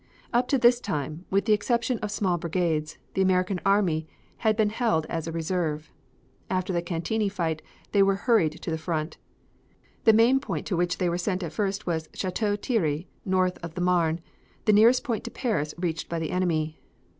Up to this time, with the exception of small brigades, the American army had been held as a reserve. After the Cantigny fight they were hurried to the front. The main point to which they were sent at first was Chateau Thierry, north of the Marne, the nearest point to Paris reached by the enemy.